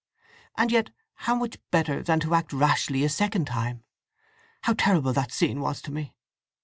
And yet how much better than to act rashly a second time… How terrible that scene was to me!